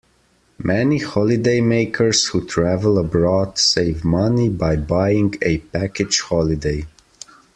Many holidaymakers who travel abroad save money by buying a package holiday